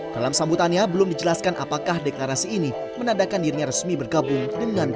dalam sambutannya belum dijelaskan apakah deklarasi ini menandakan dirinya resmi bergabung dengan p tiga